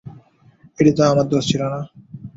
এটি তো আমার দোষ ছিল না।